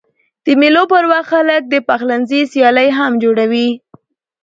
د مېلو پر وخت خلک د پخلنځي سیالۍ هم جوړوي.